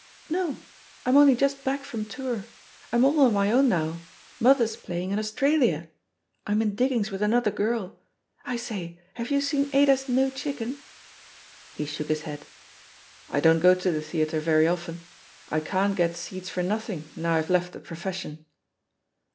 "No; I'm only just back from toiur. I'm all on my own now. Mother's playing in Australia. I'm in diggings with another girl. I sayl have you seen Adas No Chicken f^ He shook his head. "I don't go to the theatre rery often. I can't get seats for nothing now I've left the profession."